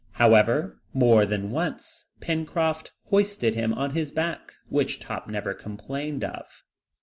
However, more than once Pencroft hoisted him on his back, which Top never complained of.